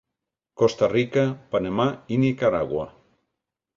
Costa Rica, Panamà i Nicaragua.